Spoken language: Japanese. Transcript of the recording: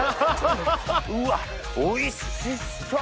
うわっおいしそ！